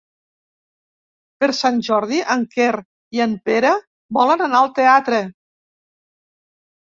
Per Sant Jordi en Quer i en Pere volen anar al teatre.